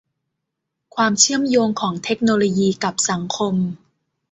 ความเชื่อมโยงของเทคโนโลยีกับสังคม